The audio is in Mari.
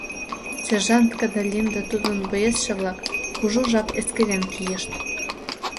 ...Сержант Кандалин да тудын боецше-влак кужу жап эскерен кийышт.